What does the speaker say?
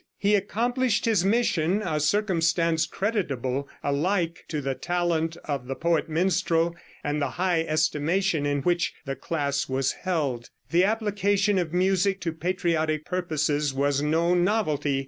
He accomplished his mission, a circumstance creditable alike to the talent of the poet minstrel and the high estimation in which the class was held. The application of music to patriotic purposes was no novelty.